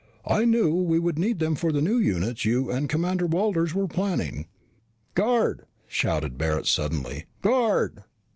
"I knew we would need them for the new units you and Commander Walters were planning." "Guard!" shouted Barret suddenly. "Guard!"